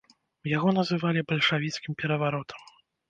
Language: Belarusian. Яго называлі бальшавіцкім пераваротам.